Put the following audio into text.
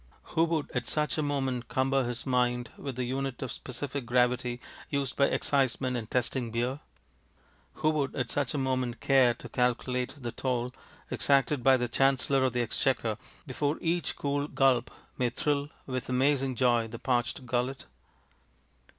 Who would at such a moment cumber his mind with the unit of specific gravity used by excisemen in testing beer? Who would at such a moment care to calculate the toll exacted by the Chancellor of the Exchequer before each cool gulp may thrill with amazing joy the parched gullet?